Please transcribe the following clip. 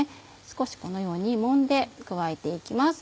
少しこのようにもんで加えて行きます。